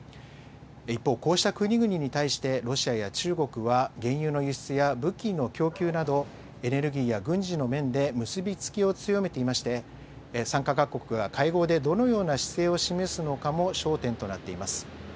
一方、こうした国々に対して、ロシアや中国は、原油の輸出や武器の供給など、エネルギーや軍事の面で結び付きを強めていまして、参加各国が会合でどのような姿勢を示すのかも焦点となっています。